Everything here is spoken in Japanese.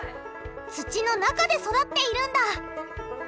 土の中で育っているんだ！